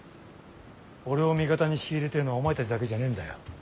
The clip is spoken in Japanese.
俺を味方に引き入れてえのはお前たちだけじゃねえんだよ。